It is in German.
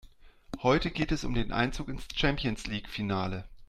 Heute geht es um den Einzug ins Champions-League-Finale.